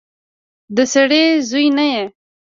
د سړي زوی نه يې.